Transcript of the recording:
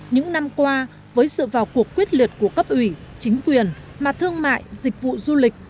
những năm qua với sự vào cuộc quyết liệt của cấp ủy chính quyền mặt thương mại dịch vụ du lịch